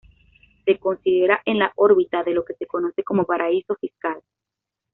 Se considera en la órbita de lo que se conoce como paraíso fiscal.